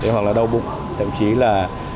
hoặc là đau bụng thậm chí là